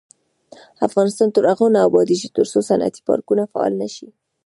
افغانستان تر هغو نه ابادیږي، ترڅو صنعتي پارکونه فعال نشي.